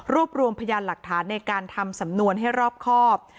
รวมรวมพยานหลักฐานในการทำสำนวนให้รอบครอบ